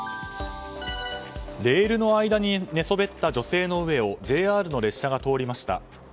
レールの間に寝そべった女性の上をＪＲの列車が通りました。